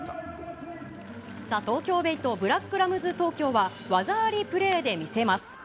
東京ベイとブラックラムズ東京は、技ありプレーで見せます。